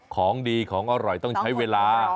ของดีของอร่อยต้องใช้เวลา